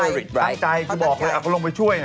ตั้งใจคือบอกเลยเขาลงไปช่วย